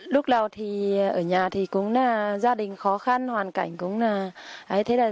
lúc đầu thì ở nhà thì cũng là gia đình khó khăn hoàn cảnh cũng là